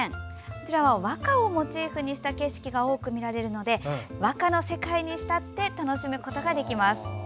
こちらは和歌をモチーフにした景色が多く見られまして和歌の世界に浸って楽しむことができます。